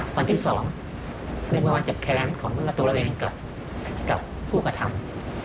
ฝั่งที่สองในเมื่อวานเจ็บแค้นของตัวเองกับผู้กระทำ